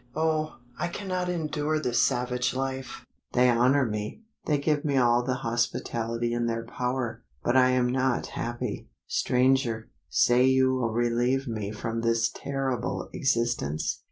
Oh! I cannot endure this savage life. They honour me they give me all the hospitality in their power but I am not happy. Stranger, say you will relieve me from this terrible existence?